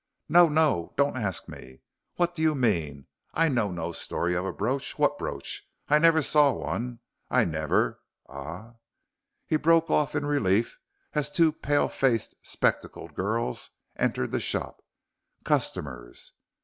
"No, no. Don't ask me. What do you mean? I know no story of a brooch what brooch I never saw one I never ah" he broke off in relief as two pale faced, spectacled girls entered the shop "customers.